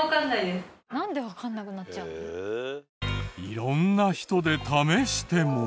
色んな人で試しても。